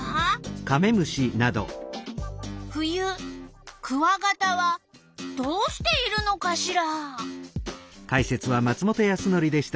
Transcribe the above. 冬クワガタはどうしているのかしら？